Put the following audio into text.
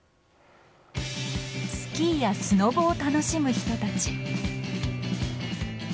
スキーやスノボを楽しむ人たち。